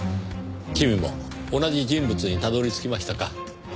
君も同じ人物にたどり着きましたか。